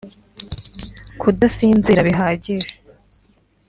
kudasinzira bihagije